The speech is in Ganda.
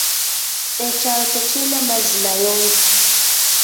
Ekyalo tekirina mazzi mayonjo.